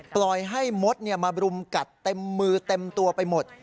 ปล่อยให้มดมารุมกัดเต็มมือเต็มตัวไปหมด